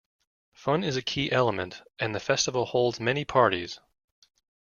Fun is a key element, and the festival holds many parties.